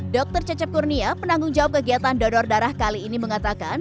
dr cecep kurnia penanggung jawab kegiatan donor darah kali ini mengatakan